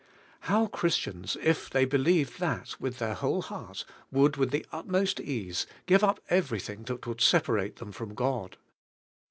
How Christians, if they believed that with their whole heart, would, Vv'ith the utmost ease, give up everything that would separate them from God